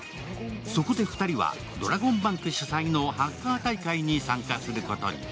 そこで２人はドラゴンバンク主催のハッカー大会に参加することに。